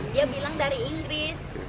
dia bilang dari inggris